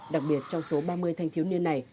đặc biệt trong số ba mươi thanh thiếu niên này